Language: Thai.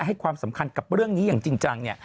ให้ความสำคัญกับเรื่องนี้อย่างจริงจังเนี่ย